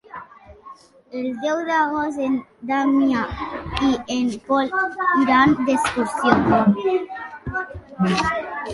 El deu d'agost en Damià i en Pol iran d'excursió.